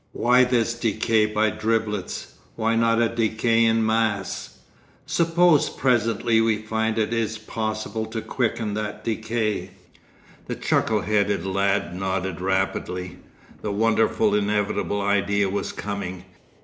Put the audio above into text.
Why this decay by driblets; why not a decay en masse? ... Suppose presently we find it is possible to quicken that decay?' The chuckle headed lad nodded rapidly. The wonderful inevitable idea was coming.